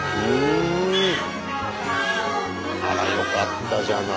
あらよかったじゃない。